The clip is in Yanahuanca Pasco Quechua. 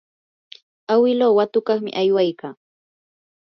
awiluu watukuqmi aywaykaa.